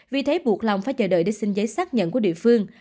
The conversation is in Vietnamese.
vì thế buộc lòng phải chờ đợi để xin giấy xác nhận của địa phương